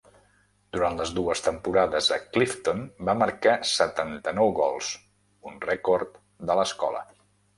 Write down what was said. Durant les dues temporades a Clifton, va marcar setanta-nou gols, un rècord de l'escola.